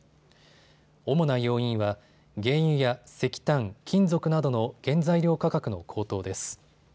主な要因は原油や石炭、金属などの原材料価格の高騰です。